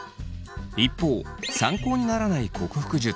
一方参考にならない克服術。